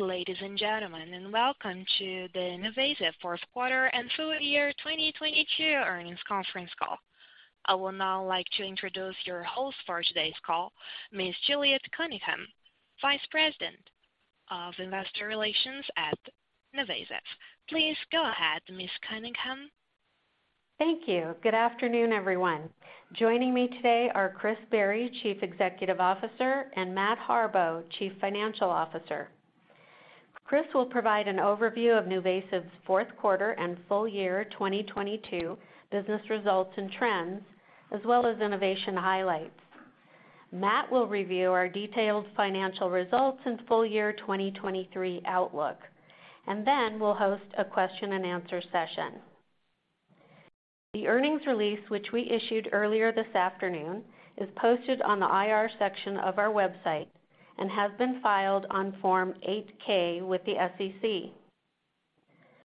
Good day, ladies and gentlemen, and welcome to the NuVasive fourth quarter and full year 2022 earnings conference call. I would now like to introduce your host for today's call, Ms. Juliet Cunningham, Vice President of Investor Relations at NuVasive. Please go ahead, Ms. Cunningham. Thank you. Good afternoon, everyone. Joining me today are Chris Barry, Chief Executive Officer, and Matt Harbaugh, Chief Financial Officer. Chris will provide an overview of NuVasive's fourth quarter and full year 2022 business results and trends, as well as innovation highlights. Matt will review our detailed financial results and full year 2023 outlook, and then we'll host a question and answer session. The earnings release, which we issued earlier this afternoon, is posted on the IR section of our website and has been filed on Form 8-K with the SEC.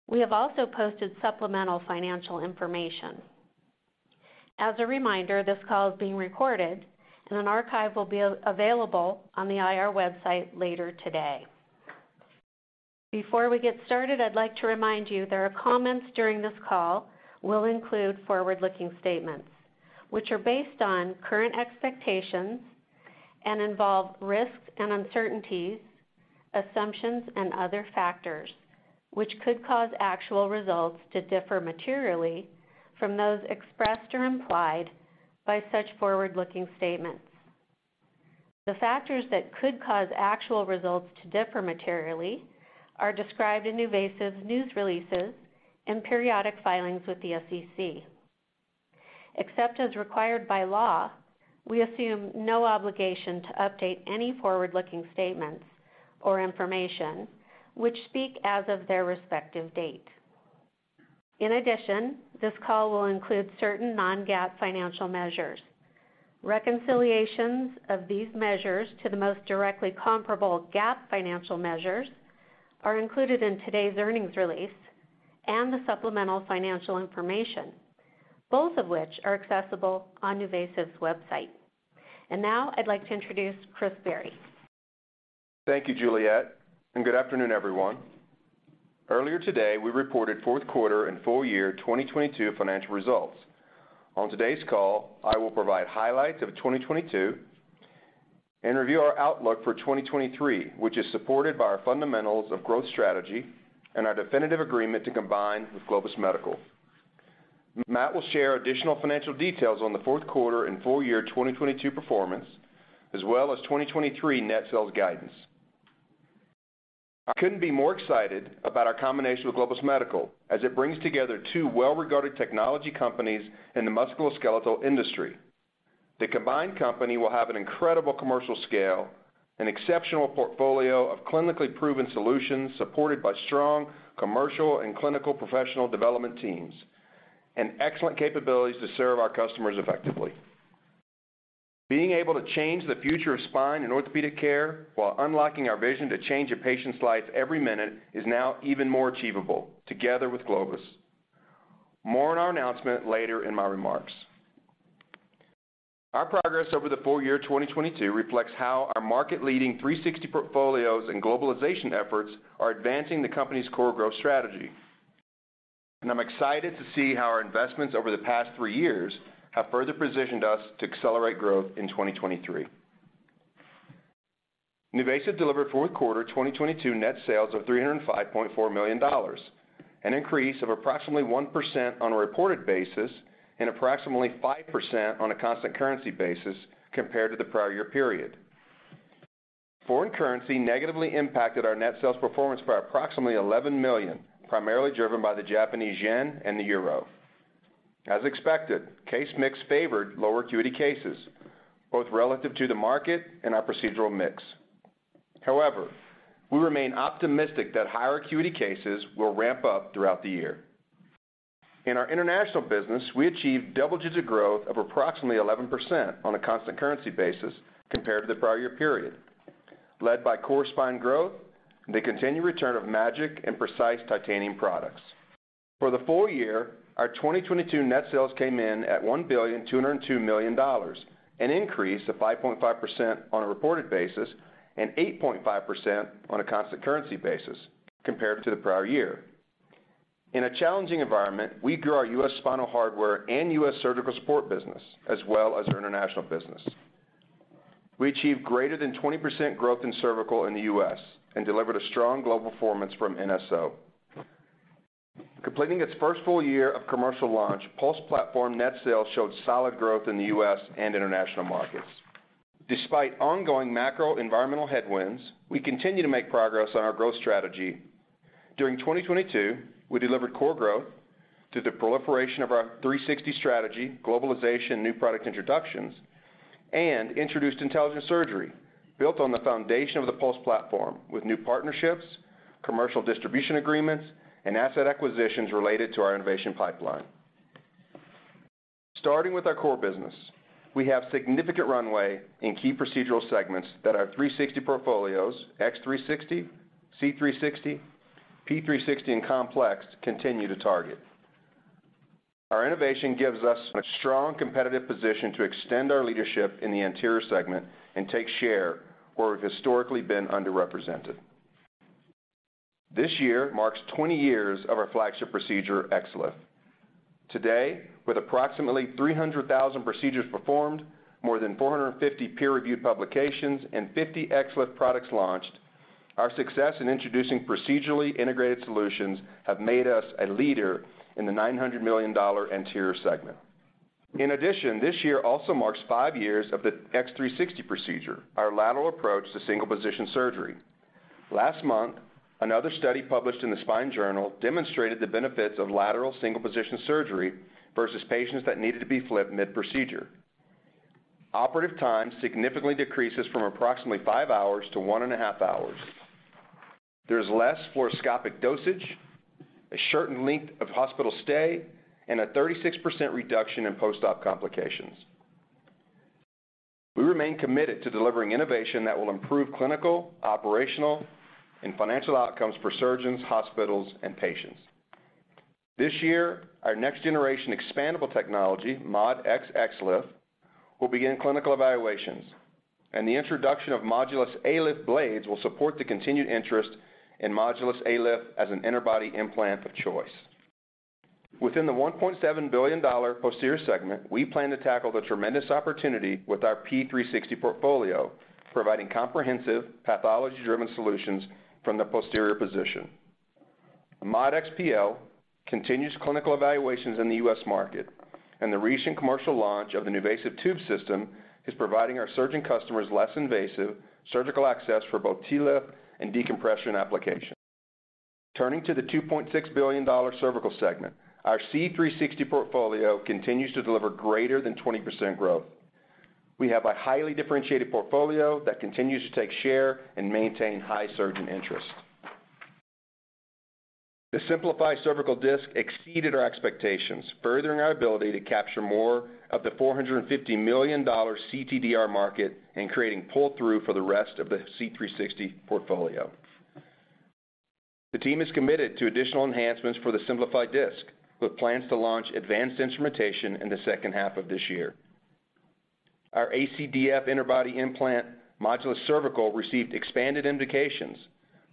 We have also posted supplemental financial information. As a reminder, this call is being recorded and an archive will be available on the IR website later today. Before we get started, I'd like to remind you that our comments during this call will include forward-looking statements, which are based on current expectations and involve risks and uncertainties, assumptions and other factors which could cause actual results to differ materially from those expressed or implied by such forward-looking statements. The factors that could cause actual results to differ materially are described in NuVasive's news releases and periodic filings with the SEC. Except as required by law, we assume no obligation to update any forward-looking statements or information which speak as of their respective date. In addition, this call will include certain non-GAAP financial measures. Reconciliations of these measures to the most directly comparable GAAP financial measures are included in today's earnings release and the supplemental financial information, both of which are accessible on NuVasive's website. Now I'd like to introduce Chris Barry. Thank you, Juliet. Good afternoon, everyone. Earlier today, we reported fourth quarter and full year 2022 financial results. On today's call, I will provide highlights of 2022 and review our outlook for 2023, which is supported by our fundamentals of growth strategy and our definitive agreement to combine with Globus Medical. Matt will share additional financial details on the fourth quarter and full year 2022 performance, as well as 2023 net sales guidance. I couldn't be more excited about our combination with Globus Medical as it brings together two well-regarded technology companies in the musculoskeletal industry. The combined company will have an incredible commercial scale, an exceptional portfolio of clinically proven solutions supported by strong commercial and clinical professional development teams and excellent capabilities to serve our customers effectively. Being able to change the future of spine and orthopedic care while unlocking our vision to change a patient's life every minute is now even more achievable together with Globus. More on our announcement later in my remarks. Our progress over the full year 2022 reflects how our market-leading 360 portfolios and globalization efforts are advancing the company's core growth strategy. I'm excited to see how our investments over the past three years have further positioned us to accelerate growth in 2023. NuVasive delivered Q4 2022 net sales of $305.4 million, an increase of approximately 1% on a reported basis and approximately 5% on a constant currency basis compared to the prior year period. Foreign currency negatively impacted our net sales performance by approximately $11 million, primarily driven by the Japanese yen and the euro. As expected, case mix favored lower acuity cases, both relative to the market and our procedural mix. However, we remain optimistic that higher acuity cases will ramp up throughout the year. In our international business, we achieved double-digit growth of approximately 11% on a constant currency basis compared to the prior-year period, led by core spine growth, the continued return of MAGEC and Precice Titanium products. For the full year, our 2022 net sales came in at $1.202 billion, an increase of 5.5% on a reported basis and 8.5% on a constant currency basis compared to the prior-year. In a challenging environment, we grew our U.S. spinal hardware and U.S. surgical support business as well as our international business. We achieved greater than 20% growth in cervical in the U.S. and delivered a strong global performance from NSO. Completing its first full year of commercial launch, Pulse platform net sales showed solid growth in the U.S. and international markets. Despite ongoing macro environmental headwinds, we continue to make progress on our growth strategy. During 2022, we delivered core growth through the proliferation of our 360 strategy, globalization, new product introductions, and introduced intelligent surgery built on the foundation of the Pulse platform with new partnerships, commercial distribution agreements, and asset acquisitions related to our innovation pipeline. Starting with our core business, we have significant runway in key procedural segments that our 360 portfolios, X360, C360, P360 and Complex continue to target. Our innovation gives us a strong competitive position to extend our leadership in the anterior segment and take share where we've historically been underrepresented. This year marks 20 years of our flagship procedure, XLIF. Today, with approximately 300,000 procedures performed, more than 450 peer-reviewed publications, and 50 XLIF products launched, our success in introducing procedurally integrated solutions have made us a leader in the $900 million anterior segment. This year also marks five years of the X360 procedure, our lateral approach to single position surgery. Last month, another study published in The Spine Journal demonstrated the benefits of lateral single position surgery versus patients that needed to be flipped mid-procedure. Operative time significantly decreases from approximately five hours to 1.5 hours. There's less fluoroscopic dosage, a shortened length of hospital stay, and a 36% reduction in post-op complications. We remain committed to delivering innovation that will improve clinical, operational, and financial outcomes for surgeons, hospitals, and patients. This year, our next generation expandable technology, MOD-EX XLIF, will begin clinical evaluations, and the introduction of Modulus ALIF Blades will support the continued interest in Modulus ALIF as an interbody implant of choice. Within the $1.7 billion posterior segment, we plan to tackle the tremendous opportunity with our P360 portfolio, providing comprehensive, pathology-driven solutions from the posterior position. The Modulus-PL continues clinical evaluations in the U.S. market, the recent commercial launch of NuVasive Tube System is providing our surgeon customers less invasive surgical access for both TLIF and decompression application. Turning to the $2.6 billion cervical segment, our C360 portfolio continues to deliver greater than 20% growth. We have a highly differentiated portfolio that continues to take share and maintain high surgeon interest. The Simplify Cervical Disc exceeded our expectations, furthering our ability to capture more of the $450 million cTDR market and creating pull-through for the rest of the C360 portfolio. The team is committed to additional enhancements for the Simplify disc, with plans to launch advanced instrumentation in the second half of this year. Our ACDF interbody implant Modulus Cervical received expanded indications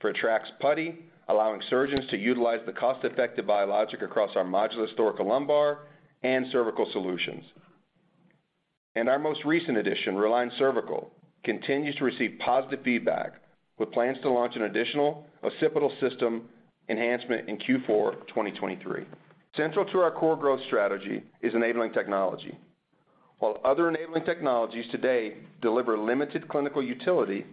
for Attrax Putty, allowing surgeons to utilize the cost-effective biologic across our Modulus Thoracolumbar and cervical solutions. Our most recent addition, Reline Cervical, continues to receive positive feedback, with plans to launch an additional occipital system enhancement in Q4 2023. Central to our core growth strategy is enabling technology. While other enabling technologies today deliver limited clinical utility,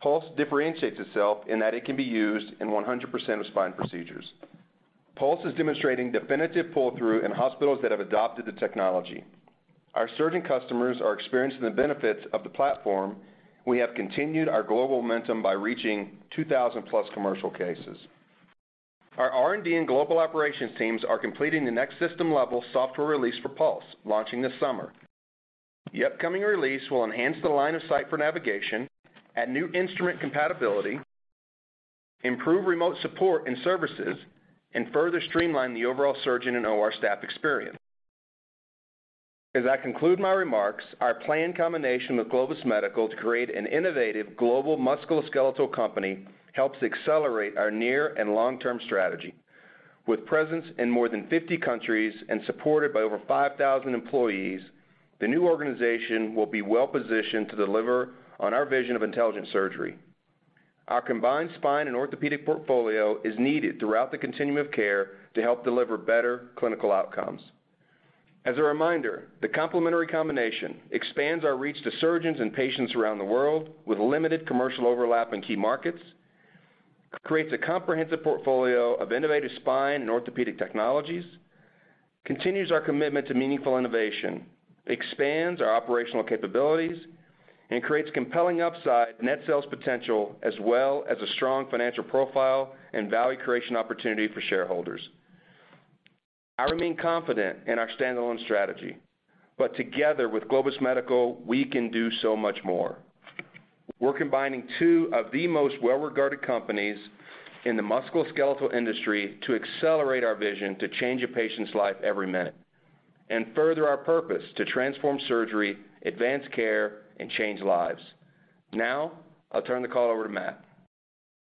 Pulse differentiates itself in that it can be used in 100% of spine procedures. Pulse is demonstrating definitive pull-through in hospitals that have adopted the technology. Our surgeon customers are experiencing the benefits of the platform. We have continued our global momentum by reaching 2,000+ commercial cases. Our R&D and global operations teams are completing the next system-level software release for Pulse, launching this summer. The upcoming release will enhance the line of sight for navigation, add new instrument compatibility, improve remote support and services, and further streamline the overall surgeon and OR staff experience. As I conclude my remarks, our planned combination with Globus Medical to create an innovative global musculoskeletal company helps accelerate our near and long-term strategy. With presence in more than 50 countries and supported by over 5,000 employees, the new organization will be well-positioned to deliver on our vision of intelligent surgery. Our combined spine and orthopedic portfolio is needed throughout the continuum of care to help deliver better clinical outcomes. As a reminder, the complementary combination expands our reach to surgeons and patients around the world with limited commercial overlap in key markets, creates a comprehensive portfolio of innovative spine and orthopedic technologies, continues our commitment to meaningful innovation, expands our operational capabilities, and creates compelling upside net sales potential as well as a strong financial profile and value creation opportunity for shareholders. I remain confident in our standalone strategy, but together with Globus Medical, we can do so much more. We're combining two of the most well-regarded companies in the musculoskeletal industry to accelerate our vision to change a patient's life every minute and further our purpose to transform surgery, advance care, and change lives. Now, I'll turn the call over to Matt.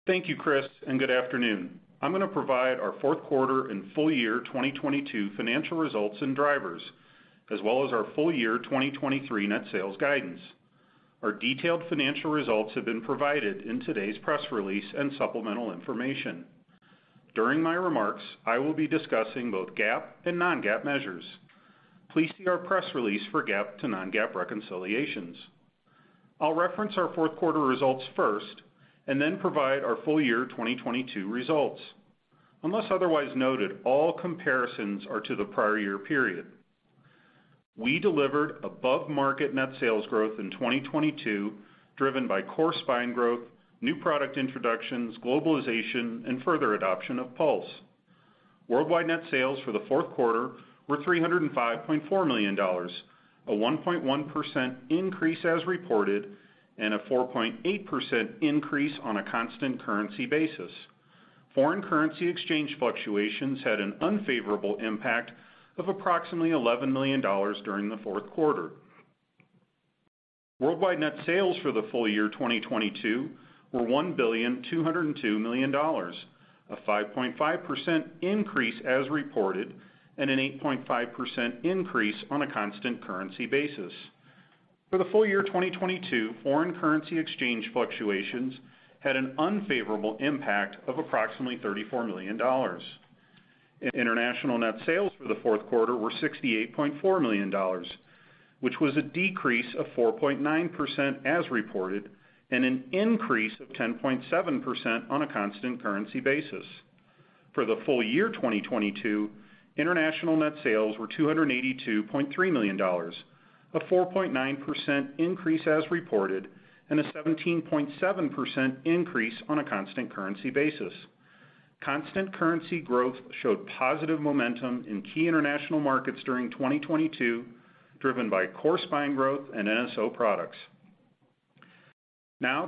Thank you, Chris, and good afternoon. I'm gonna provide our fourth quarter and full year 2022 financial results and drivers, as well as our full year 2023 net sales guidance. Our detailed financial results have been provided in today's press release and supplemental information. During my remarks, I will be discussing both GAAP and non-GAAP measures. Please see our press release for GAAP to non-GAAP reconciliations. I'll reference our fourth quarter results first and then provide our full year 2022 results. Unless otherwise noted, all comparisons are to the prior year period. We delivered above-market net sales growth in 2022, driven by core spine growth, new product introductions, globalization, and further adoption of Pulse. Worldwide net sales for the fourth quarter were $305.4 million. A 1.1% increase as reported and a 4.8% increase on a constant currency basis. Foreign currency exchange fluctuations had an unfavorable impact of approximately $11 million during the fourth quarter. Worldwide net sales for the full year 2022 were $1,202 million, a 5.5% increase as reported and an 8.5% increase on a constant currency basis. For the full year 2022, foreign currency exchange fluctuations had an unfavorable impact of approximately $34 million. International net sales for the fourth quarter were $68.4 million, which was a decrease of 4.9% as reported and an increase of 10.7% on a constant currency basis. For the full year 2022, international net sales were $282.3 million, a 4.9% increase as reported and a 17.7% increase on a constant currency basis. Constant currency growth showed positive momentum in key international markets during 2022, driven by core spine growth and NSO products.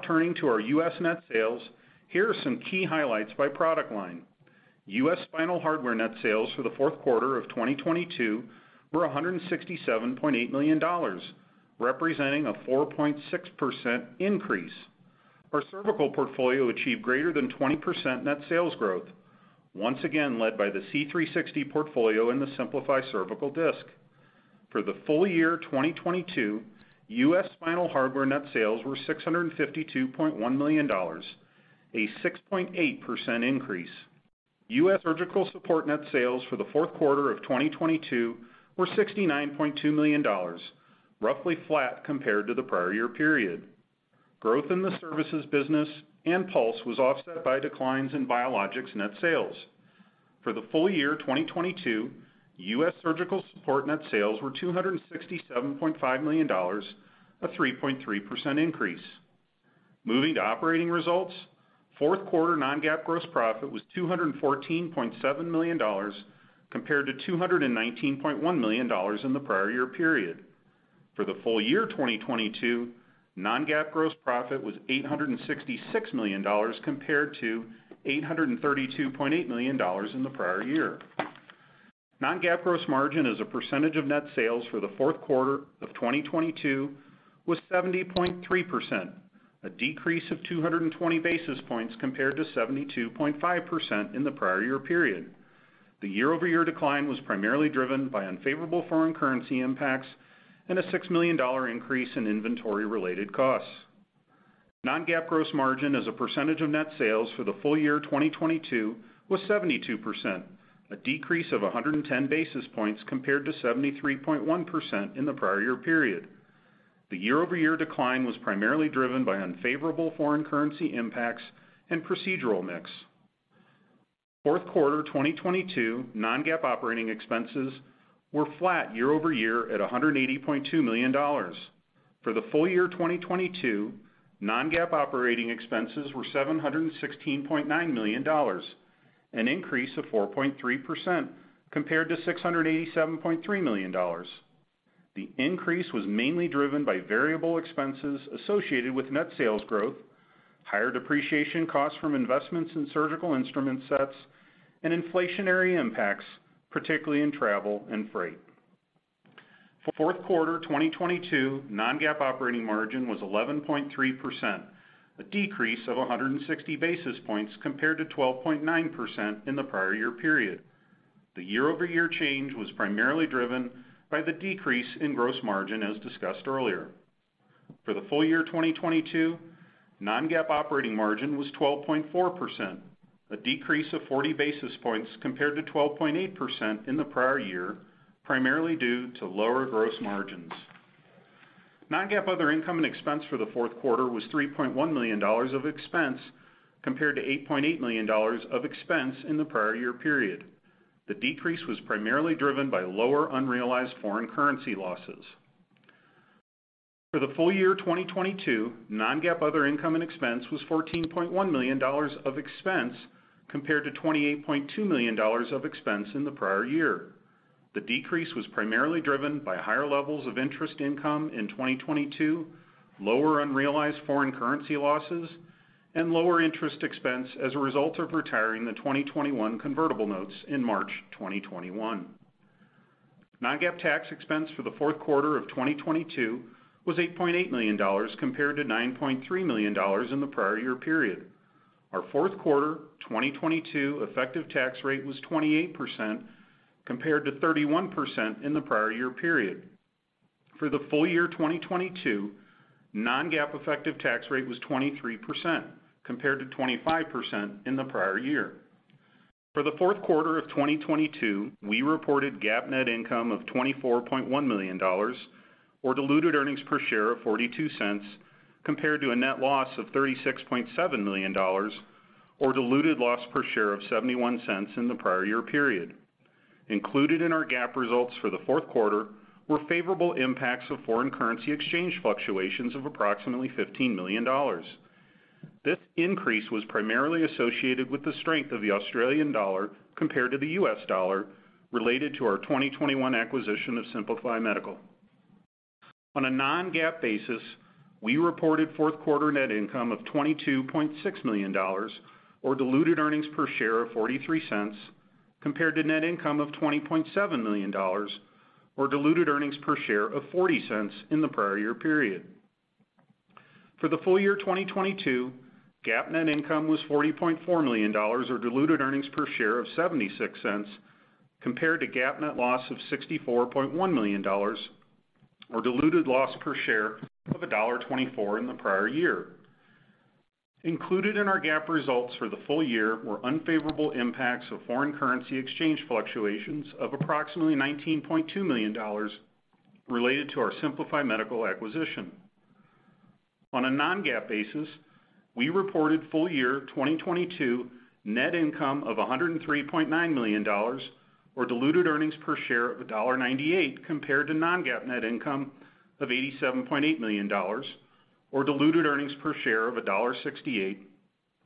Turning to our U.S. net sales, here are some key highlights by product line. U.S. spinal hardware net sales for the fourth quarter of 2022 were $167.8 million, representing a 4.6% increase. Our cervical portfolio achieved greater than 20% net sales growth, once again led by the C360 portfolio and the Simplify Cervical Disc. For the full year 2022, U.S. spinal hardware net sales were $652.1 million, a 6.8% increase. U.S. surgical support net sales for the fourth quarter of 2022 were $69.2 million, roughly flat compared to the prior year period. Growth in the services business and Pulse was offset by declines in Biologics net sales. For the full year 2022, U.S. surgical support net sales were $267.5 million, a 3.3% increase. Moving to operating results, fourth quarter non-GAAP gross profit was $214.7 million compared to $219.1 million in the prior year period. For the full year 2022, non-GAAP gross profit was $866 million compared to $832.8 million in the prior year. Non-GAAP gross margin as a percentage of net sales for the fourth quarter of 2022 was 70.3%, a decrease of 220 basis points compared to 72.5% in the prior year period. The year-over-year decline was primarily driven by unfavorable foreign currency impacts and a $6 million increase in inventory-related costs. Non-GAAP gross margin as a percentage of net sales for the full year 2022 was 72%, a decrease of 110 basis points compared to 73.1% in the prior year period. The year-over-year decline was primarily driven by unfavorable foreign currency impacts and procedural mix. Fourth quarter 2022 non-GAAP operating expenses were flat year-over-year at $180.2 million. For the full year 2022, non-GAAP operating expenses were $716.9 million, an increase of 4.3% compared to $687.3 million. The increase was mainly driven by variable expenses associated with net sales growth, higher depreciation costs from investments in surgical instrument sets, and inflationary impacts, particularly in travel and freight. For fourth quarter 2022, non-GAAP operating margin was 11.3%, a decrease of 160 basis points compared to 12.9% in the prior year period. The year-over-year change was primarily driven by the decrease in gross margin, as discussed earlier. For the full year 2022, non-GAAP operating margin was 12.4%, a decrease of 40 basis points compared to 12.8% in the prior year, primarily due to lower gross margins. Non-GAAP other income and expense for the fourth quarter was $3.1 million of expense, compared to $8.8 million of expense in the prior year period. The decrease was primarily driven by lower unrealized foreign currency losses. For the full year 2022, non-GAAP other income and expense was $14.1 million of expense compared to $28.2 million of expense in the prior year. The decrease was primarily driven by higher levels of interest income in 2022, lower unrealized foreign currency losses, and lower interest expense as a result of retiring the 2021 convertible notes in March 2021. Non-GAAP tax expense for the fourth quarter of 2022 was $8.8 million compared to $9.3 million in the prior year period. Our fourth quarter 2022 effective tax rate was 28% compared to 31% in the prior year period. For the full year 2022, non-GAAP effective tax rate was 23% compared to 25% in the prior year. For the fourth quarter of 2022, we reported GAAP net income of $24.1 million or diluted earnings per share of $0.42 compared to a net loss of $36.7 million or diluted loss per share of $0.71 in the prior year period. Included in our GAAP results for the fourth quarter were favorable impacts of foreign currency exchange fluctuations of approximately $15 million. This increase was primarily associated with the strength of the Australian dollar compared to the U.S. dollar related to our 2021 acquisition of Simplify Medical. On a non-GAAP basis, we reported fourth quarter net income of $22.6 million or diluted earnings per share of $0.43 compared to net income of $20.7 million or diluted earnings per share of $0.40 in the prior year period. For the full year 2022, GAAP net income was $40.4 million or diluted earnings per share of $0.76 compared to GAAP net loss of $64.1 million or diluted loss per share of $1.24 in the prior year. Included in our GAAP results for the full year were unfavorable impacts of foreign currency exchange fluctuations of approximately $19.2 million related to our Simplify Medical acquisition. On a non-GAAP basis, we reported full year 2022 net income of $103.9 million or diluted earnings per share of $1.98 compared to non-GAAP net income of $87.8 million or diluted earnings per share of $1.68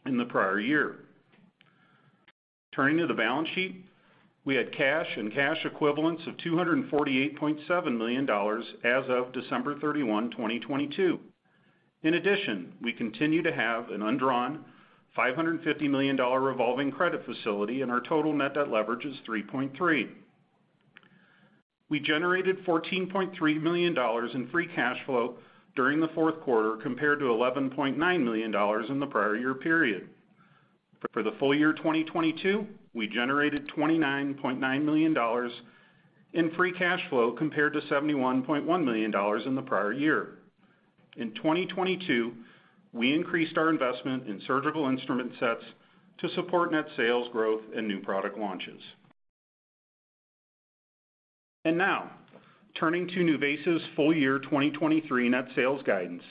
in the prior year. Turning to the balance sheet, we had cash and cash equivalents of $248.7 million as of December 31, 2022. In addition, we continue to have an undrawn $550 million revolving credit facility, and our total net debt leverage is 3.3. We generated $14.3 million in free cash flow during the fourth quarter compared to $11.9 million in the prior year period. For the full year 2022, we generated $29.9 million in free cash flow compared to $71.1 million in the prior year. In 2022, we increased our investment in surgical instrument sets to support net sales growth and new product launches. Now turning to NuVasive's full year 2023 net sales guidance.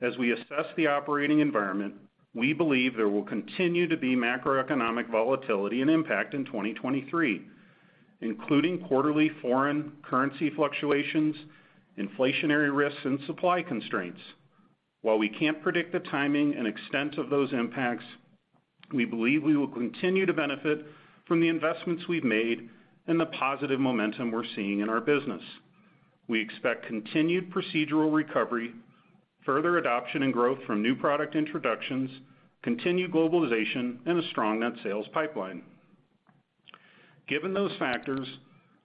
As we assess the operating environment, we believe there will continue to be macroeconomic volatility and impact in 2023, including quarterly foreign currency fluctuations, inflationary risks, and supply constraints. While we can't predict the timing and extent of those impacts, we believe we will continue to benefit from the investments we've made and the positive momentum we're seeing in our business. We expect continued procedural recovery, further adoption and growth from new product introductions, continued globalization, and a strong net sales pipeline. Given those factors,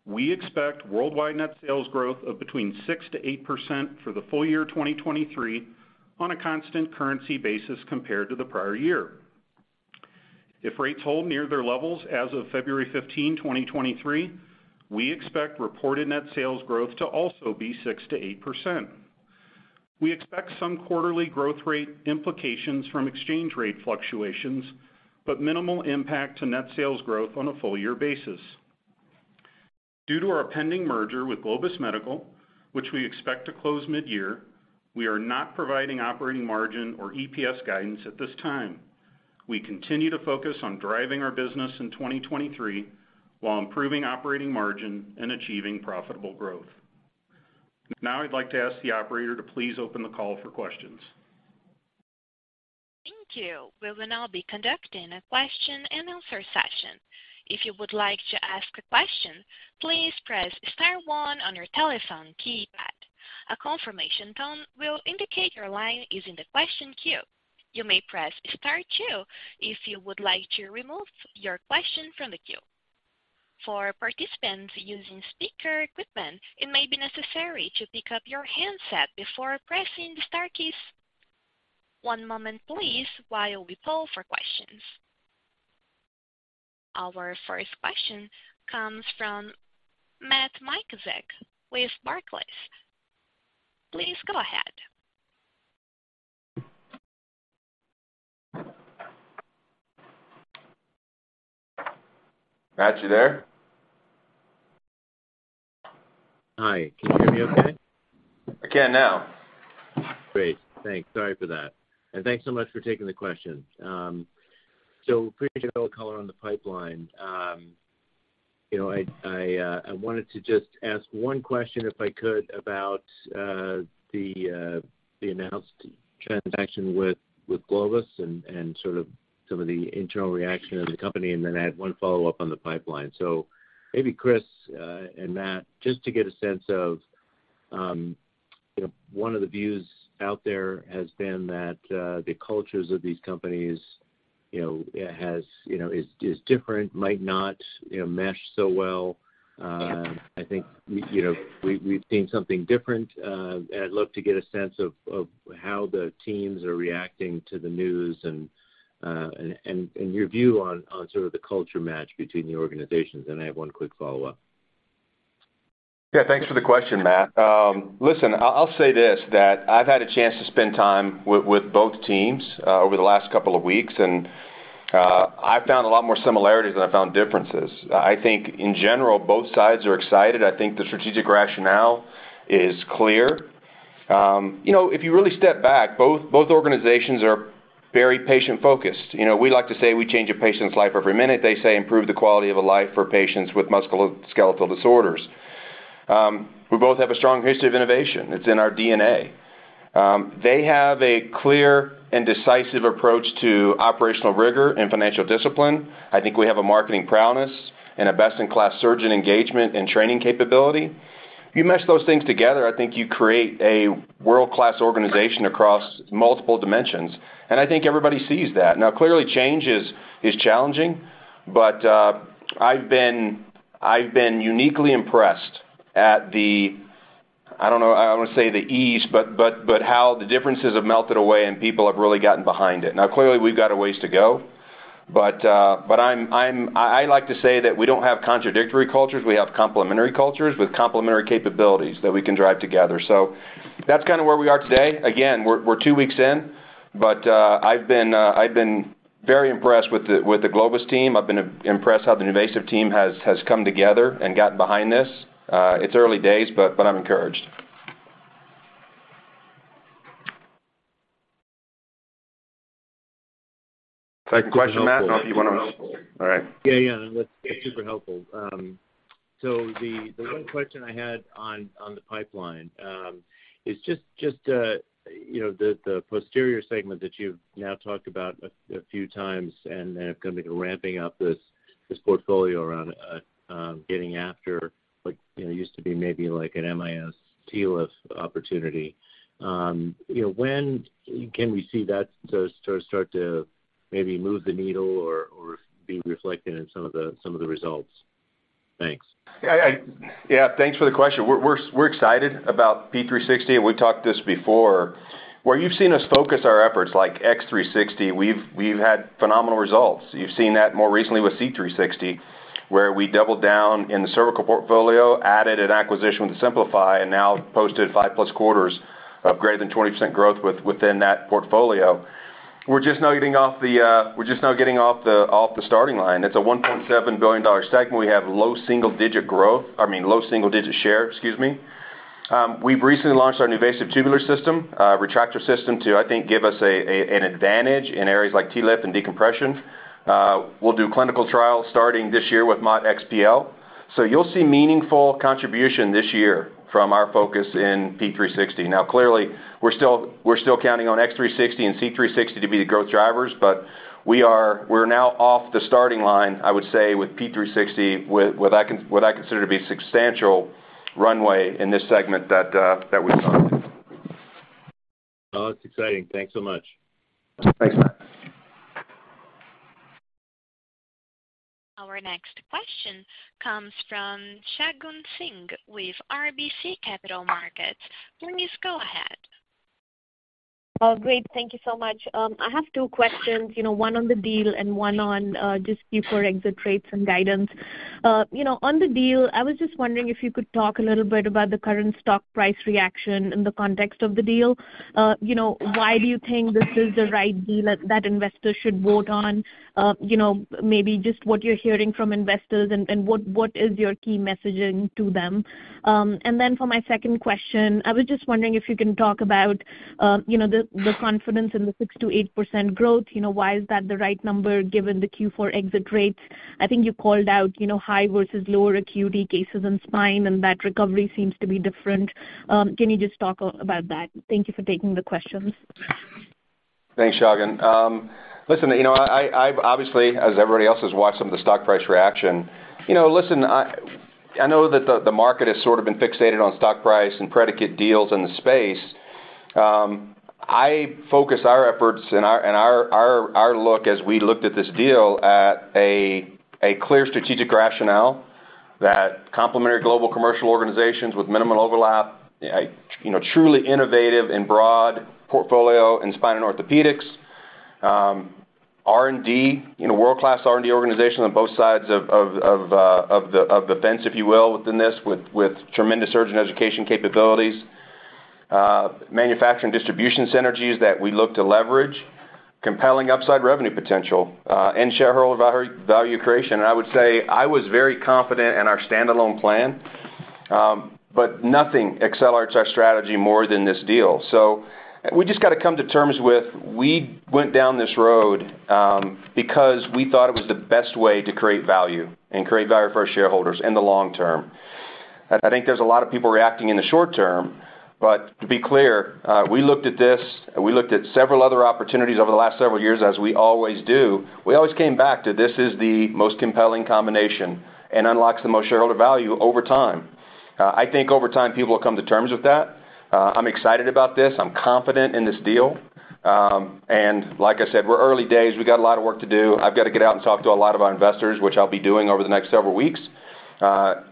we expect worldwide net sales growth of between 6%-8% for the full year 2023 on a constant currency basis compared to the prior year. If rates hold near their levels as of February 15, 2023, we expect reported net sales growth to also be 6%-8%. We expect some quarterly growth rate implications from exchange rate fluctuations, but minimal impact to net sales growth on a full year basis. Due to our pending merger with Globus Medical, which we expect to close mid-year, we are not providing operating margin or EPS guidance at this time. We continue to focus on driving our business in 2023 while improving operating margin and achieving profitable growth. I'd like to ask the operator to please open the call for questions. Thank you. We will now be conducting a question and answer session. If you would like to ask a question, please press star one on your telephone keypad. A confirmation tone will indicate your line is in the question queue. You may press star two if you would like to remove your question from the queue. For participants using speaker equipment, it may be necessary to pick up your handset before pressing the star keys. One moment, please, while we poll for questions. Our first question comes from Matt Miksic with Barclays. Please go ahead. Matt, you there? Hi. Can you hear me okay? I can now. Great. Thanks. Sorry for that. Thanks so much for taking the questions. Appreciate all the color on the pipeline. You know, I wanted to just ask one question, if I could, about the announced transaction with Globus and sort of some of the internal reaction of the company, and then add one follow-up on the pipeline. Maybe Chris and Matt, just to get a sense of, you know, one of the views out there has been that the cultures of these companies, you know, has, you know, is different, might not, you know, mesh so well. I think we, you know, we've seen something different. I'd love to get a sense of how the teams are reacting to the news and your view on sort of the culture match between the organizations? I have one quick follow-up. Yeah. Thanks for the question, Matt. listen, I'll say this, that I've had a chance to spend time with both teams, over the last couple of weeks. I found a lot more similarities than I found differences. I think in general, both sides are excited. I think the strategic rationale is clear. you know, if you really step back, both organizations are very patient-focused. You know, we like to say we change a patient's life every minute. They say improve the quality of a life for patients with musculoskeletal disorders. we both have a strong history of innovation. It's in our D&A. They have a clear and decisive approach to operational rigor and financial discipline. I think we have a marketing prowess and a best-in-class surgeon engagement and training capability. You mesh those things together, I think you create a world-class organization across multiple dimensions, and I think everybody sees that. Clearly, change is challenging, but I've been uniquely impressed at the I don't know, I don't wanna say the ease, but how the differences have melted away, and people have really gotten behind it. Clearly, we've got a ways to go, but I like to say that we don't have contradictory cultures, we have complementary cultures with complementary capabilities that we can drive together. That's kinda where we are today. We're two weeks in, I've been very impressed with the Globus team. I've been impressed how the NuVasive team has come together and gotten behind this. It's early days, I'm encouraged. Second question, Matt, or if you wanna? That's super helpful. All right. Yeah, yeah. No, that's super helpful. The one question I had on the pipeline is just, you know, the posterior segment that you've now talked about a few times and then kind of ramping up this portfolio around, getting after like, you know, used to be maybe like an MIS TLIF opportunity. You know, when can we see that sort of start to maybe move the needle or be reflected in some of the results? Thanks. Yeah. Thanks for the question. We're excited about P360, we've talked this before. Where you've seen us focus our efforts like X360, we've had phenomenal results. You've seen that more recently with C360, where we doubled down in the cervical portfolio, added an acquisition with Simplify, now posted 5+ quarters of greater than 20% growth within that portfolio. We're just now getting off the starting line. It's a $1.7 billion segment. We have low single-digit growth. I mean, low single-digit share, excuse me. We've recently launched our NuVasive Tube System retractor system to, I think, give us an advantage in areas like TLIF and decompression. We'll do clinical trials starting this year with MOD XTL. You'll see meaningful contribution this year from our focus in P360. Now, clearly, we're still counting on X360 and C360 to be the growth drivers, but we're now off the starting line, I would say, with P360, with, what I consider to be substantial runway in this segment that we talked to. Oh, that's exciting. Thanks so much. Thanks, Matt. Our next question comes from Shagun Singh with RBC Capital Markets. Please go ahead. Oh, great. Thank you so much. I have two questions, you know, one on the deal and one on just Q4 exit rates and guidance. You know, on the deal, I was just wondering if you could talk a little bit about the current stock price reaction in the context of the deal. You know, why do you think this is the right deal that investors should vote on? You know, maybe just what you're hearing from investors and what is your key messaging to them? For my second question, I was just wondering if you can talk about, you know, the confidence in the 6%-8% growth.? You know, why is that the right number given the Q4 exit rates? I think you called out, you know, high versus lower acuity cases in spine, and that recovery seems to be different. Can you just talk about that? Thank you for taking the questions. Thanks, Shagun. Listen, you know, I've obviously, as everybody else, has watched some of the stock price reaction. You know, listen, I know that the market has sort of been fixated on stock price and predicate deals in the space. I focus our efforts and our look as we looked at this deal at a clear strategic rationale that complementary global commercial organizations with minimal overlap, a, you know, truly innovative and broad portfolio in spine and orthopedics. R&D, you know, world-class R&D organization on both sides of the fence, if you will, within this with tremendous surgeon education capabilities. Manufacturing distribution synergies that we look to leverage, compelling upside revenue potential, and shareholder value creation. I would say I was very confident in our standalone plan, but nothing accelerates our strategy more than this deal. We just gotta come to terms with, we went down this road because we thought it was the best way to create value and create value for our shareholders in the long term. I think there's a lot of people reacting in the short term. We looked at this, we looked at several other opportunities over the last several years as we always do. We always came back to this is the most compelling combination and unlocks the most shareholder value over time. I think over time, people will come to terms with that. I'm excited about this. I'm confident in this deal. Like I said, we're early days. We got a lot of work to do. I've got to get out and talk to a lot of our investors, which I'll be doing over the next several weeks,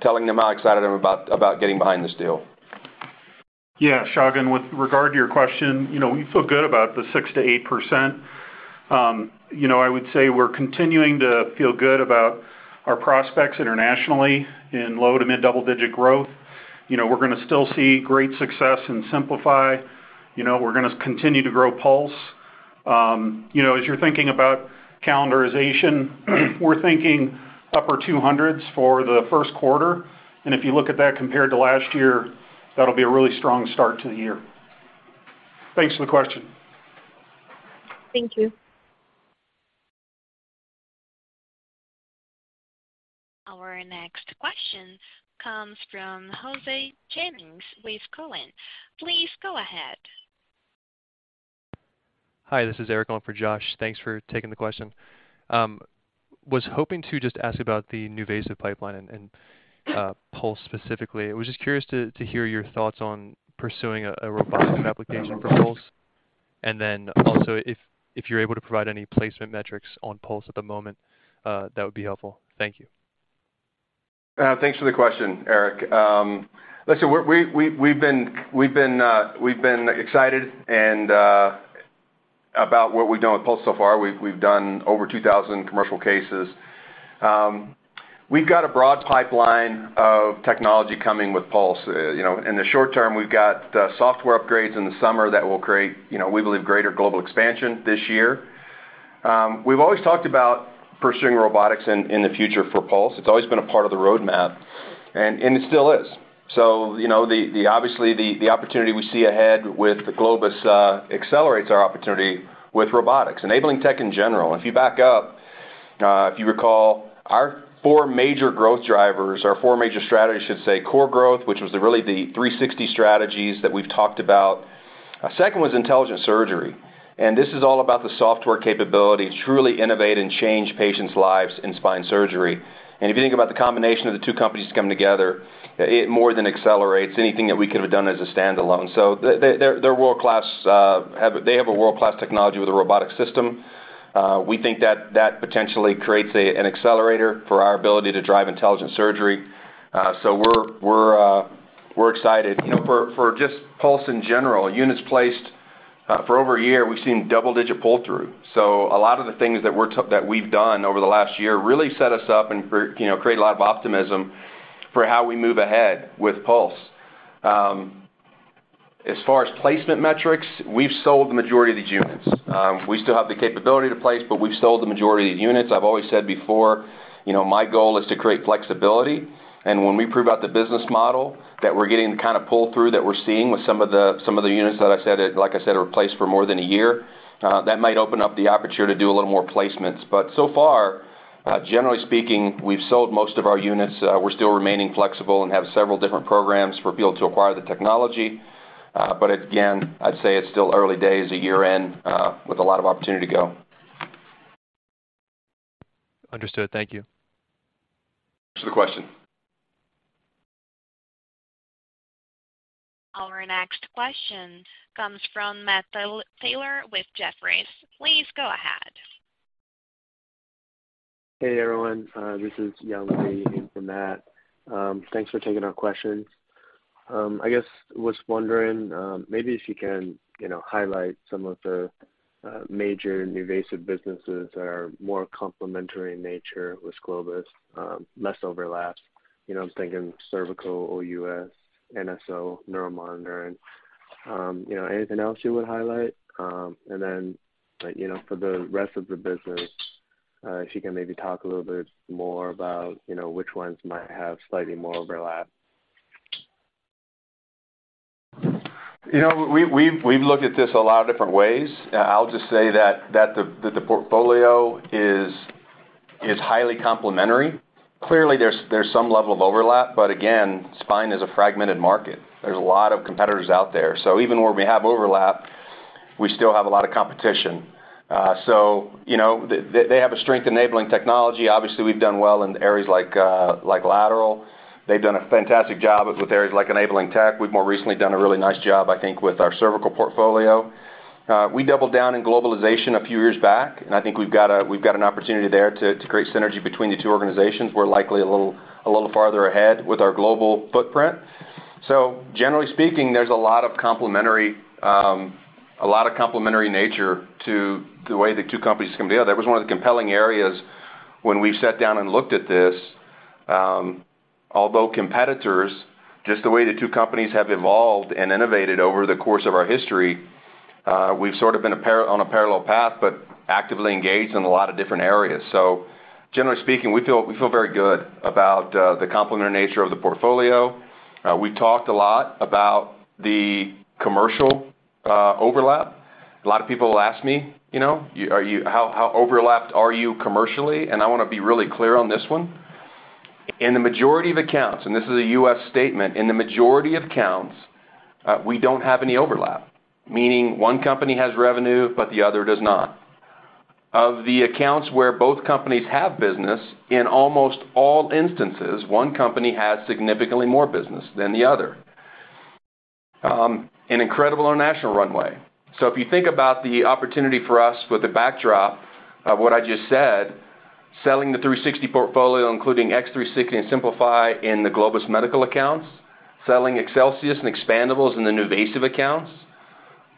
telling them how excited I'm about getting behind this deal. Yeah, Shagun, with regard to your question, you know, we feel good about the 6%-8%. you know, I would say we're continuing to feel good about our prospects internationally in low to mid-double-digit growth. You know, we're gonna still see great success in Simplify. You know, we're gonna continue to grow Pulse. you know, as you're thinking about calendarization, we're thinking upper $200s for the first quarter. If you look at that compared to last year, that'll be a really strong start to the year. Thanks for the question. Thank you. Our next question comes from Josh Jennings with Cowen and Company. Please go ahead. Hi, this is Eric on for Josh. Thanks for taking the question. was hoping to just ask about the NuVasive pipeline and Pulse specifically. I was just curious to hear your thoughts on pursuing a revision application for Pulse? Also if you're able to provide any placement metrics on Pulse at the moment? that would be helpful. Thank you. Thanks for the question, Eric. listen, we've been excited and about what we've done with Pulse so far. We've done over 2,000 commercial cases. We've got a broad pipeline of technology coming with Pulse. You know, in the short term, we've got the software upgrades in the summer that will create, you know, we believe greater global expansion this year. We've always talked about pursuing robotics in the future for Pulse. It's always been a part of the roadmap, and it still is. You know, the obviously, the opportunity we see ahead with the Globus accelerates our opportunity with robotics, enabling tech in general. If you back up, if you recall, our four major growth drivers, our four major strategies should say core growth, which was really the 360 strategies that we've talked about. Second was intelligent surgery, and this is all about the software capability to truly innovate and change patients' lives in spine surgery. If you think about the combination of the two companies coming together, it more than accelerates anything that we could have done as a standalone. They're world-class, they have a world-class technology with a robotic system. We think that potentially creates an accelerator for our ability to drive intelligent surgery. We're excited. You know, for just Pulse in general, units placed, for over a year, we've seen double-digit pull-through. A lot of the things that we've done over the last year really sets us up and for, you know, create a lot of optimism for how we move ahead with Pulse. As far as placement metrics, we've sold the majority of these units. We still have the capability to place, but we've sold the majority of units. I've always said before, you know, my goal is to create flexibility. When we prove out the business model that we're getting kind of pull-through that we're seeing with some of the, some of the units that I said, like I said, are placed for more than a year, that might open up the opportunity to do a little more placements. So far, generally speaking, we've sold most of our units. We're still remaining flexible and have several different programs for people to acquire the technology. Again, I'd say it's still early days, a year in, with a lot of opportunity to go. Understood. Thank you. Thanks for the question. Our next question comes from Matt Taylor with Jefferies. Please go ahead. Hey, everyone. This is Young Li in for Matt. Thanks for taking our questions. Maybe if you can, you know, highlight some of the major NuVasive businesses that are more complementary in nature with Globus, less overlap. You know, I'm thinking cervical or U.S., NSO, neuro monitor and, you know, anything else you would highlight? For the rest of the business, if you can maybe talk a little bit more about, you know, which ones might have slightly more overlap? You know, we've looked at this a lot of different ways. I'll just say that the portfolio is highly complementary. Clearly, there's some level of overlap. Again, spine is a fragmented market. There's a lot of competitors out there. Even where we have overlap, we still have a lot of competition. You know, they have a strength enabling technology. Obviously, we've done well in areas like lateral. They've done a fantastic job with areas like enabling tech. We've more recently done a really nice job, I think, with our cervical portfolio. We doubled down in globalization a few years back, I think we've got an opportunity there to create synergy between the two organizations. We're likely a little farther ahead with our global footprint. Generally speaking, there's a lot of complementary, a lot of complementary nature to the way the two companies come together. It was one of the compelling areas when we sat down and looked at this. Although competitors, just the way the two companies have evolved and innovated over the course of our history, we've sort of been on a parallel path, but actively engaged in a lot of different areas. Generally speaking, we feel very good about the complementary nature of the portfolio. We talked a lot about the commercial overlap. A lot of people ask me, you know, how overlapped are you commercially? I wanna be really clear on this one. In the majority of accounts, and this is a U.S. statement, in the majority of accounts, we don't have any overlap. Meaning one company has revenue, but the other does not. Of the accounts where both companies have business, in almost all instances, one company has significantly more business than the other. An incredible international runway. If you think about the opportunity for us with the backdrop of what I just said, selling the 360 portfolio, including X360 and Simplify in the Globus Medical accounts, selling Excelsius and Expandables in the NuVasive accounts,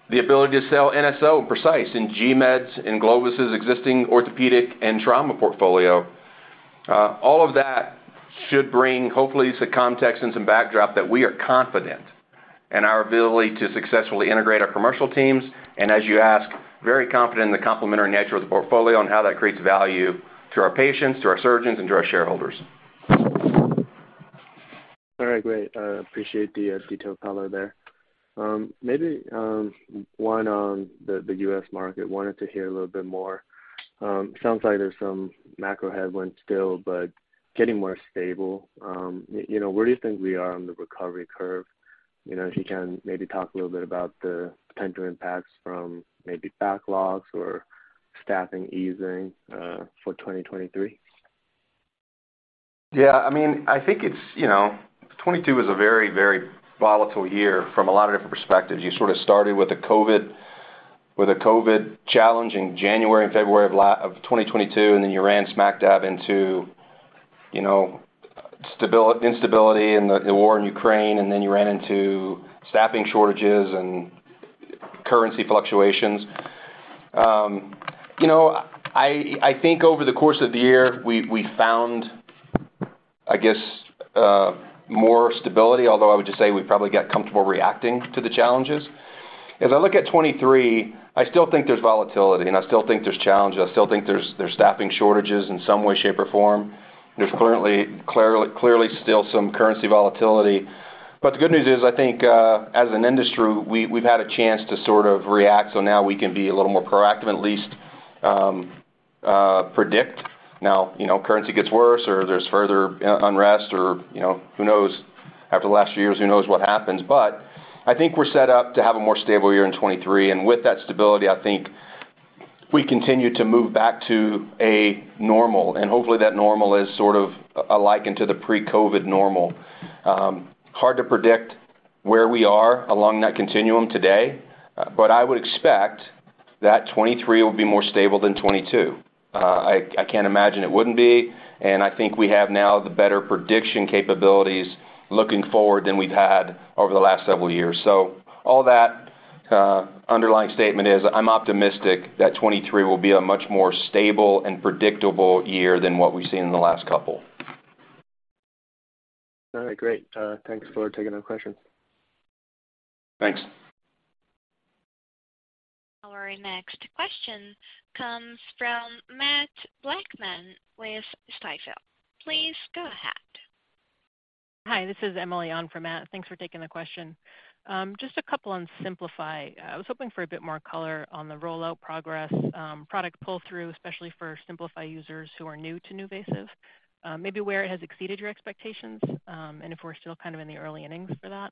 the ability to sell NSO and Precice in GMED, in Globus' existing orthopedic and trauma portfolio. All of that should bring hopefully some context and some backdrop that we are confident in our ability to successfully integrate our commercial teams, and as you ask, very confident in the complementary nature of the portfolio and how that creates value to our patients, to our surgeons, and to our shareholders. All right, great. Appreciate the detailed color there. Maybe one on the U.S. market. Wanted to hear a little bit more. Sounds like there's some macro headwinds still, but getting more stable. You know, where do you think we are on the recovery curve? You know, if you can maybe talk a little bit about the potential impacts from maybe backlogs or staffing easing for 2023? I mean, I think it's, you know, 2022 was a very, very volatile year from a lot of different perspectives. You sort of started with a COVID challenge in January and February of 2022, and then you ran smack dab into, you know, instability and the war in Ukraine, and then you ran into staffing shortages and currency fluctuations. You know, I think over the course of the year, we found, I guess, more stability, although I would just say we probably got comfortable reacting to the challenges. As I look at 2023, I still think there's volatility, and I still think there's challenges. I still think there's staffing shortages in some way, shape, or form. There's currently clearly still some currency volatility. The good news is, I think, as an industry, we've had a chance to sort of react, so now we can be a little more proactive, at least, predict. Now, you know, currency gets worse or there's further unrest or, you know, who knows? After the last few years, who knows what happens? I think we're set up to have a more stable year in 2023. With that stability, I think we continue to move back to a normal, and hopefully that normal is sort of alike into the pre-COVID normal. Hard to predict where we are along that continuum today, but I would expect that 2023 will be more stable than 2022. I can't imagine it wouldn't be, and I think we have now the better prediction capabilities looking forward than we've had over the last several years. All that underlying statement is I'm optimistic that 2023 will be a much more stable and predictable year than what we've seen in the last couple. All right, great. Thanks for taking our question. Thanks. Our next question comes from Matt Blackman with Stifel. Please go ahead. Hi, this is Emily on for Matt. Thanks for taking the question. Just a couple on Simplify. I was hoping for a bit more color on the rollout progress, product pull-through, especially for Simplify users who are new to NuVasive? Maybe where it has exceeded your expectations, and if we're still kind of in the early innings for that?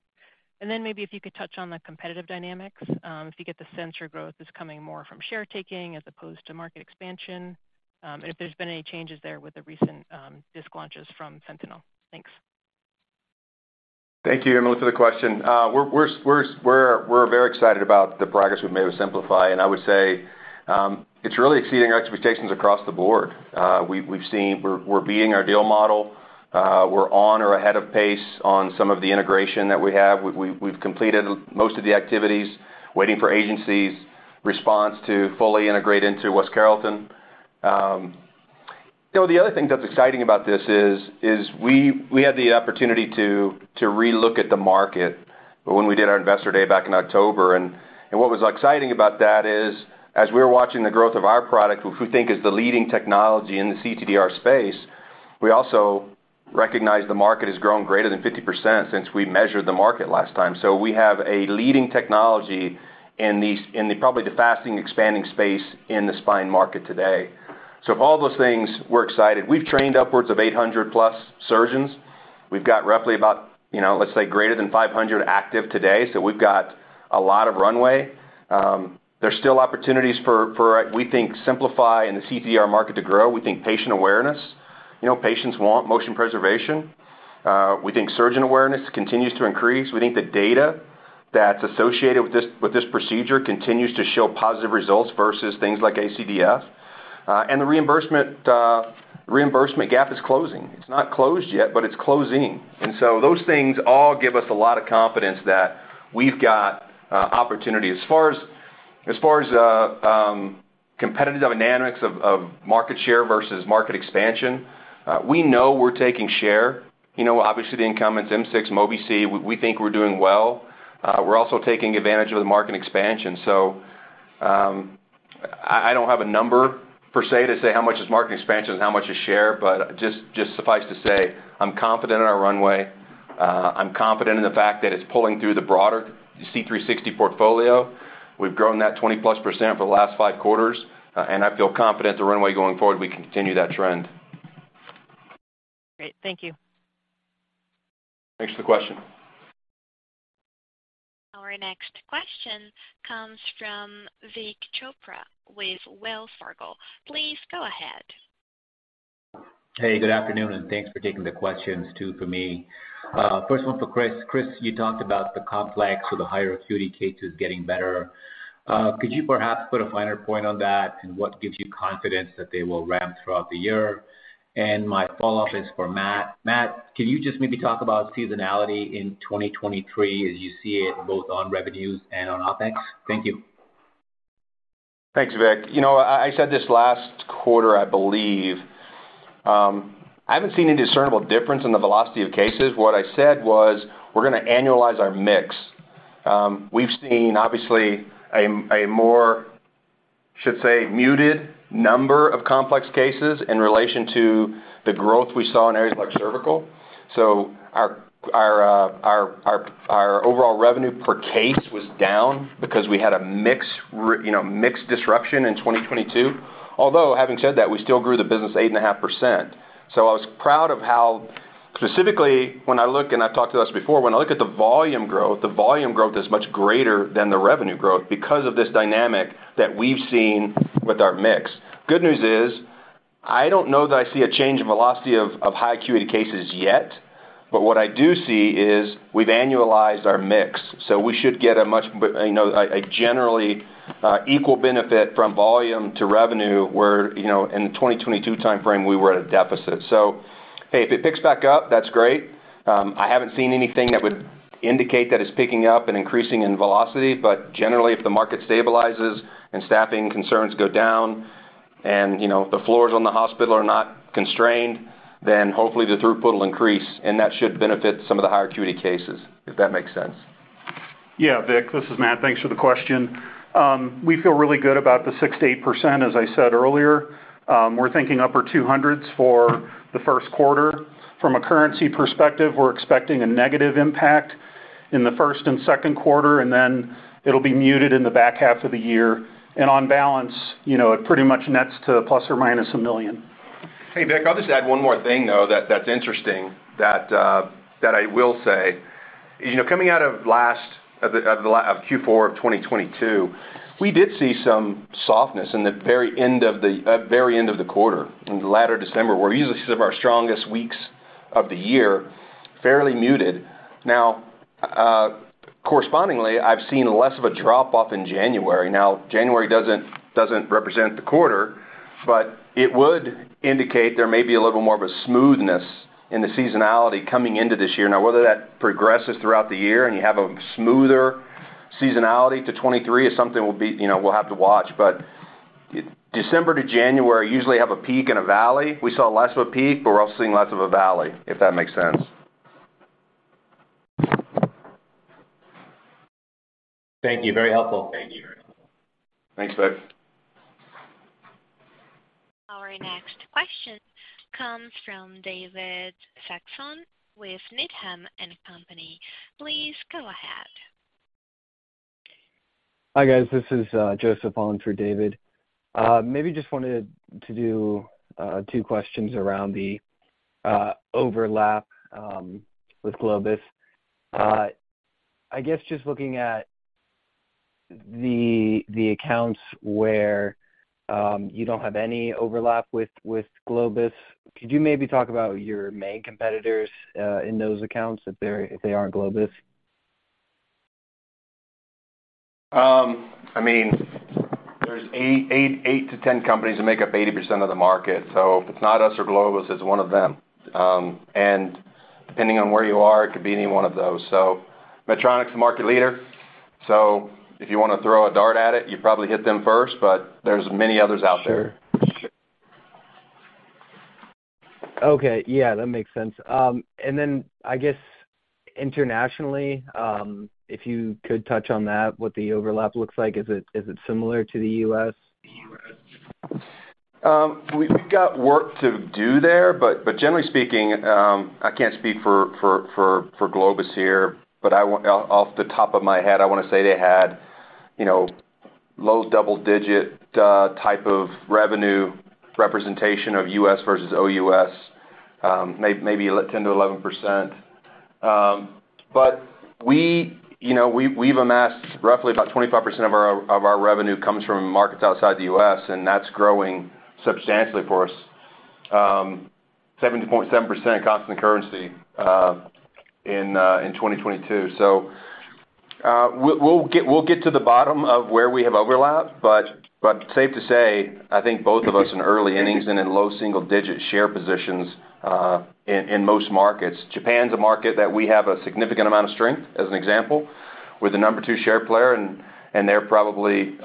Maybe if you could touch on the competitive dynamics, if you get the sense your growth is coming more from share taking as opposed to market expansion, and if there's been any changes there with the recent disc launches from Centinel Spine? Thanks. Thank you, Emily, for the question. We're very excited about the progress we've made with Simplify, and I would say, it's really exceeding our expectations across the board. We're beating our deal model. We're on or ahead of pace on some of the integration that we have. We've completed most of the activities, waiting for agency's response to fully integrate into West Carrollton. You know, the other thing that's exciting about this is we had the opportunity to relook at the market when we did our investor day back in October. What was exciting about that is as we were watching the growth of our product, we think is the leading technology in the cTDR space. We also recognize the market has grown greater than 50% since we measured the market last time. We have a leading technology in the probably the fastest expanding space in the spine market today. If all those things, we're excited. We've trained upwards of 800+ surgeons. We've got roughly about, you know, let's say greater than 500 active today, so we've got a lot of runway. There's still opportunities for we think Simplify in the cTDR market to grow. We think patient awareness. You know, patients want motion preservation. We think surgeon awareness continues to increase. We think the data that's associated with this procedure continues to show positive results versus things like ACDF. The reimbursement gap is closing. It's not closed yet, but it's closing. Those things all give us a lot of confidence that we've got opportunity. As far as competitive dynamics of market share versus market expansion, we know we're taking share. You know, obviously, the incumbents M6, Mobi-C, we think we're doing well. We're also taking advantage of the market expansion. I don't have a number per se to say how much is market expansion and how much is share, but just suffice to say, I'm confident in our runway. I'm confident in the fact that it's pulling through the broader C360 portfolio. We've grown that 20%+ for the last five quarters, and I feel confident the runway going forward, we continue that trend. Great. Thank you. Thanks for the question. Our next question comes from Vik Chopra with Wells Fargo. Please go ahead. Hey, good afternoon, and thanks for taking the questions too for me. First one for Chris. Chris, you talked about the complex or the higher acuity cases getting better. Could you perhaps put a finer point on that and what gives you confidence that they will ramp throughout the year? My follow-up is for Matt. Matt, can you just maybe talk about seasonality in 2023 as you see it both on revenues and on OpEx? Thank you. Thanks, Vik. You know, I said this last quarter, I believe. I haven't seen a discernible difference in the velocity of cases. What I said was we're gonna annualize our mix. We've seen obviously a more should say muted number of complex cases in relation to the growth we saw in areas like cervical. Our overall revenue per case was down because we had a mix, you know, mix disruption in 2022. Although having said that, we still grew the business 8.5%. I was proud of how specifically when I look and I've talked to us before, when I look at the volume growth, the volume growth is much greater than the revenue growth because of this dynamic that we've seen with our mix. Good news is, I don't know that I see a change in velocity of high acuity cases yet. What I do see is we've annualized our mix, so we should get a much, you know, a generally equal benefit from volume to revenue where, you know, in the 2022 timeframe, we were at a deficit. Hey, if it picks back up, that's great. I haven't seen anything that would indicate that it's picking up and increasing in velocity. Generally, if the market stabilizes and staffing concerns go down and, you know, the floors on the hospital are not constrained, then hopefully the throughput will increase, and that should benefit some of the higher acuity cases, if that makes sense. Yeah, Vic, this is Matt. Thanks for the question. We feel really good about the 6%-8%, as I said earlier. We're thinking upper two hundreds for the first quarter. From a currency perspective, we're expecting a negative impact in the first and second quarter, and then it'll be muted in the back half of the year. On balance, you know, it pretty much nets to ±$1 million. Hey, Vik, I'll just add one more thing, though, that's interesting that I will say. You know, coming out of last of Q4 of 2022, we did see some softness in the very end of the very end of the quarter, in the latter December, where usually some of our strongest weeks of the year fairly muted. Correspondingly, I've seen less of a drop-off in January. January doesn't represent the quarter, but it would indicate there may be a little more of a smoothness in the seasonality coming into this year. Whether that progresses throughout the year and you have a smoother seasonality to 2023 is something you know, we'll have to watch. December to January usually have a peak and a valley. We saw less of a peak, but we're also seeing less of a valley, if that makes sense. Thank you. Very helpful. Thank you. Thanks, Vik. Our next question comes from David Saxon with Needham & Company. Please go ahead. Hi, guys. This is Joseph on for David. Maybe just wanted to do two questions around the overlap with Globus. I guess just looking at the accounts where you don't have any overlap with Globus, could you maybe talk about your main competitors in those accounts if they're, if they aren't Globus? I mean, there's eight to 10 companies that make up 80% of the market. If it's not us or Globus, it's one of them. Depending on where you are, it could be any one of those. Medtronic's the market leader, so if you wanna throw a dart at it, you probably hit them first, but there's many others out there. Sure. Okay. Yeah, that makes sense. I guess internationally, if you could touch on that, what the overlap looks like. Is it similar to the U.S.? We've got work to do there, but generally speaking, I can't speak for Globus here, but off the top of my head, I wanna say they had, you know, low double-digit type of revenue representation of U.S. versus OUS, maybe 10%-11%. We, you know, we've amassed roughly about 25% of our, of our revenue comes from markets outside the U.S., and that's growing substantially for us. 70.7% constant currency in 2022. We'll get to the bottom of where we have overlap, but safe to say, I think both of us in early innings and in low single-digit share positions in most markets. Japan's a market that we have a significant amount of strength, as an example. We're the number two share player and they're probably,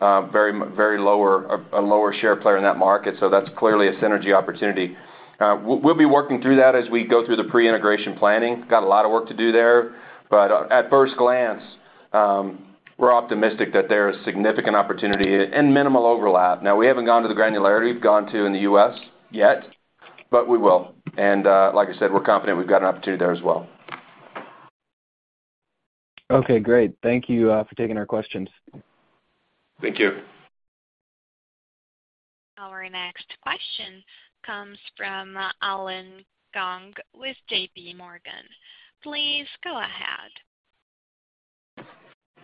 very lower, a lower share player in that market. That's clearly a synergy opportunity. We'll be working through that as we go through the pre-integration planning. Got a lot of work to do there, but at first glance, we're optimistic that there is significant opportunity and minimal overlap. We haven't gone to the granularity we've gone to in the U.S. yet, but we will. Like I said, we're confident we've got an opportunity there as well. Okay, great. Thank you, for taking our questions. Thank you. Our next question comes from Allen Gong with JPMorgan. Please go ahead.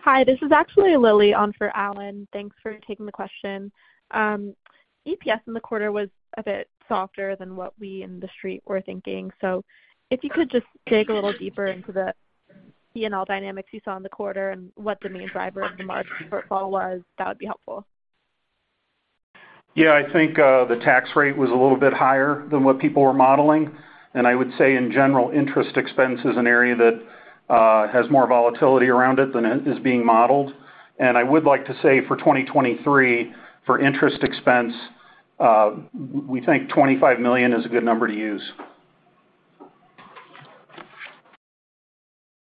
Hi, this is actually Lily on for Allen. Thanks for taking the question. EPS in the quarter was a bit softer than what we in the street were thinking. If you could just dig a little deeper into the P&L dynamics you saw in the quarter and what the main driver of the margin shortfall was, that would be helpful. I think the tax rate was a little bit higher than what people were modeling. I would say in general, interest expense is an area that has more volatility around it than it is being modeled. I would like to say for 2023, for interest expense, we think $25 million is a good number to use.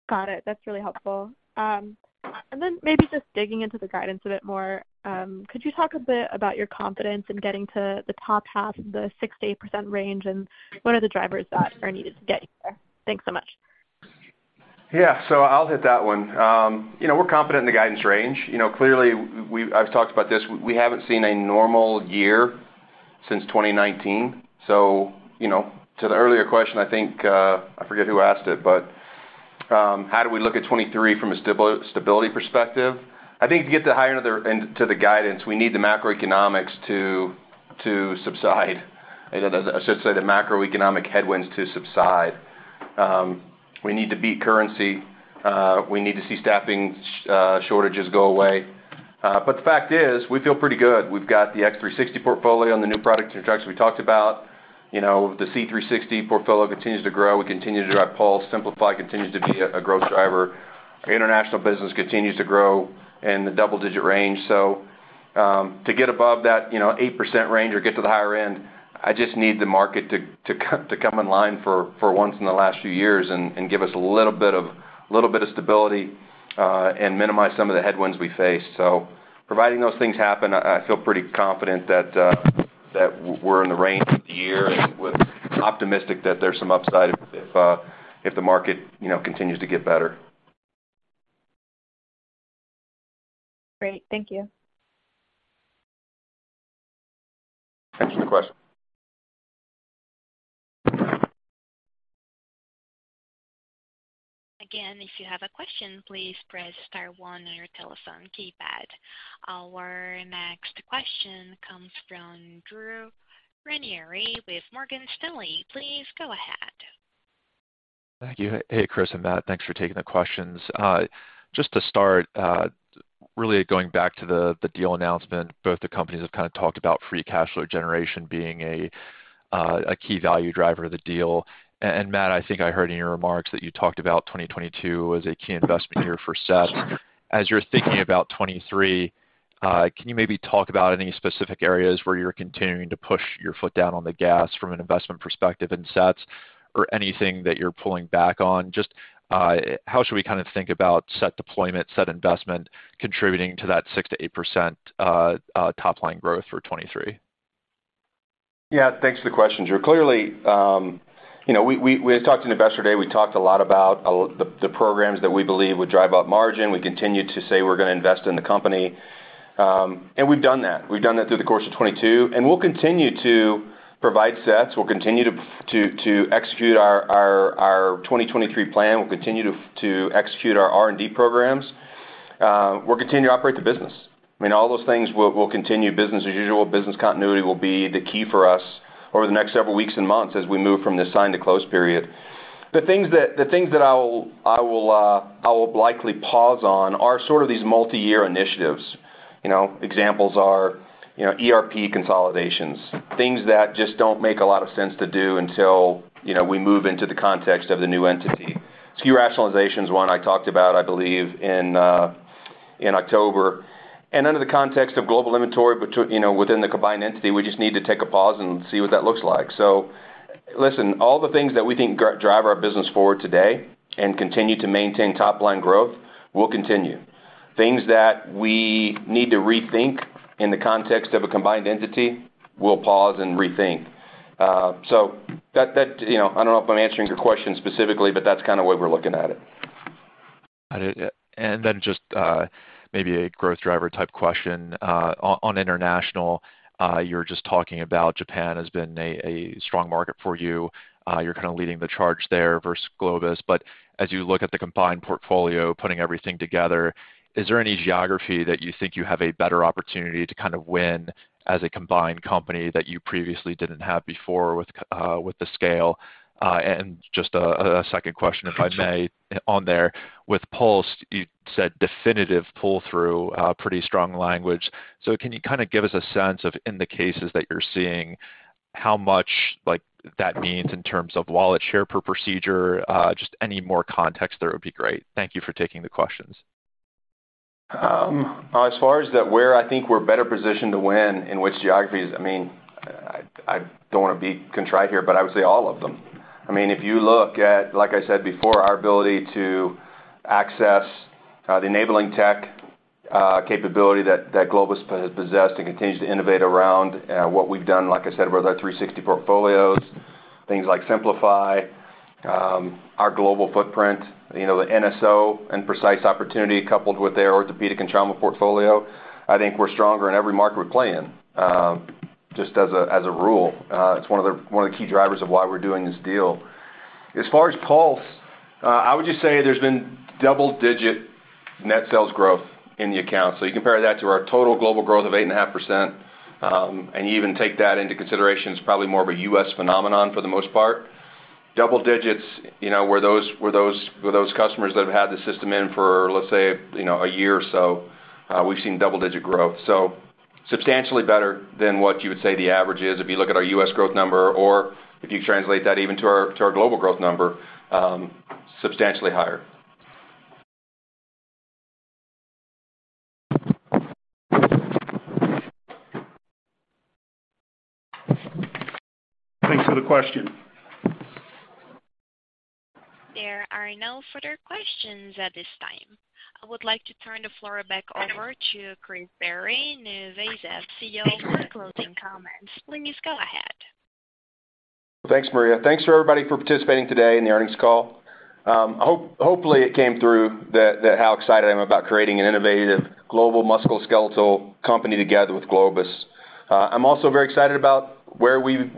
Got it. That's really helpful. Then maybe just digging into the guidance a bit more, could you talk a bit about your confidence in getting to the top half of the 6%-8% range, and what are the drivers that are needed to get you there? Thanks so much. Yeah. I'll hit that one. You know, we're confident in the guidance range. You know, clearly I've talked about this, we haven't seen a normal year since 2019. You know, to the earlier question, I think, I forget who asked it, but, how do we look at 2023 from a stability perspective? I think to get to the higher end to the guidance, we need the macroeconomics to subside. I should say the macroeconomic headwinds to subside. We need to beat currency. We need to see staffing shortages go away. The fact is we feel pretty good. We've got the X360 portfolio and the new product introductions we talked about. You know, the C360 portfolio continues to grow. We continue to drive Pulse. Simplify continues to be a growth driver. Our international business continues to grow in the double-digit range. To get above that, you know, 8% range or get to the higher end, I just need the market to come in line for once in the last few years and give us a little bit of stability and minimize some of the headwinds we face. Providing those things happen, I feel pretty confident that we're in the range for the year and we're optimistic that there's some upside if the market, you know, continues to get better. Great. Thank you. Thanks for the question. Again, if you have a question, please press star one on your telephone keypad. Our next question comes from Drew Ranieri with Morgan Stanley. Please go ahead. Thank you. Hey, Chris and Matt. Thanks for taking the questions. Just to start, really going back to the deal announcement, both the companies have kind of talked about free cash flow generation being a key value driver of the deal. Matt, I think I heard in your remarks that you talked about 2022 as a key investment year for SET. As you're thinking about 2023, can you maybe talk about any specific areas where you're continuing to push your foot down on the gas from an investment perspective in SET or anything that you're pulling back on? Just, how should we kind of think about SET deployment, SET investment contributing to that 6%-8% top-line growth for 2023? Thanks for the question, Drew. Clearly, you know, we had talked to an investor today. We talked a lot about the programs that we believe would drive up margin. We continued to say we're gonna invest in the company. We've done that. We've done that through the course of 2022, we'll continue to provide sets. We'll continue to execute our 2023 plan. We'll continue to execute our R&D programs. We'll continue to operate the business. I mean, all those things will continue. Business as usual. Business continuity will be the key for us over the next several weeks and months as we move from this sign to close period. The things that I will likely pause on are sort of these multi-year initiatives. You know, examples are, you know, ERP consolidations, things that just don't make a lot of sense to do until, you know, we move into the context of the new entity. SKU rationalization is one I talked about, I believe in October. Under the context of global inventory, but to, you know, within the combined entity, we just need to take a pause and see what that looks like. Listen, all the things that we think drive our business forward today and continue to maintain top line growth will continue. Things that we need to rethink in the context of a combined entity, we'll pause and rethink. That, you know, I don't know if I'm answering your question specifically, but that's kind of the way we're looking at it. Got it. Then just, maybe a growth driver type question. On, on international, you were just talking about Japan has been a strong market for you. You're kind of leading the charge there versus Globus. As you look at the combined portfolio, putting everything together, is there any geography that you think you have a better opportunity to kind of win as a combined company that you previously didn't have before with the scale? Just a second question, if I may, on there. With Pulse, you said definitive pull-through, pretty strong language. Can you kind of give us a sense of in the cases that you're seeing, how much, like, that means in terms of wallet share per procedure? Just any more context there would be great. Thank you for taking the questions. As far as the where I think we're better positioned to win in which geographies, I mean, I don't want to be contrite here, but I would say all of them. I mean, if you look at, like I said before, our ability to access the enabling tech capability that Globus possessed and continues to innovate around what we've done, like I said, with our 360 portfolios, things like Simplify, our global footprint, you know, the NSO and Precice opportunity coupled with their orthopedic and trauma portfolio, I think we're stronger in every market we play in, just as a rule. It's one of the key drivers of why we're doing this deal. As far as Pulse, I would just say there's been double-digit net sales growth in the account. You compare that to our total global growth of 8.5%, and you even take that into consideration, it's probably more of a U.S. phenomenon for the most part. Double digits, you know, where those customers that have had the system in for, let's say, you know, a year or so, we've seen double-digit growth. Substantially better than what you would say the average is if you look at our U.S. growth number or if you translate that even to our global growth number, substantially higher. Thanks for the question. There are no further questions at this time. I would like to turn the floor back over to Chris Barry, NuVasive CEO, for closing comments. Please go ahead. Thanks, Maria. Thanks for everybody for participating today in the earnings call. Hopefully, it came through that how excited I am about creating an innovative global musculoskeletal company together with Globus. I'm also very excited about where we've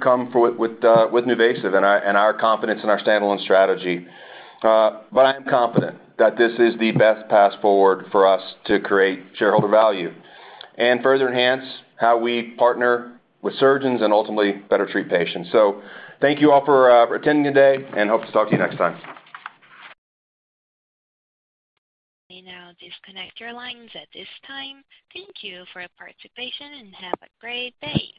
come for with NuVasive and our and our confidence in our standalone strategy. I'm confident that this is the best path forward for us to create shareholder value and further enhance how we partner with surgeons and ultimately better treat patients. Thank you all for attending today and hope to talk to you next time. You may now disconnect your lines at this time. Thank you for your participation, and have a great day.